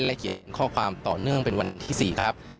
และเขียนข้อความต่อเนื่องเป็นวันที่๔ครับ